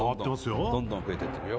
どんどん増えていってるよ。